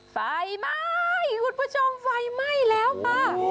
ไฟไหม้คุณผู้ชมไฟไหม้แล้วค่ะ